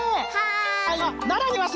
はい！